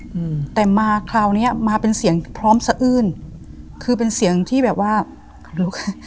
อืมแต่มาคราวเนี้ยมาเป็นเสียงพร้อมสะอื้นคือเป็นเสียงที่แบบว่าลุก